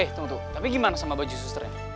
eh tunggu tuh tapi gimana sama baju susternya